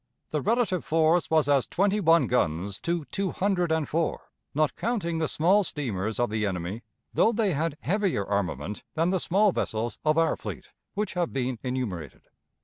The relative force was as twenty one guns to two hundred and four, not counting the small steamers of the enemy, though they had heavier armament than the small vessels of our fleet, which have been enumerated.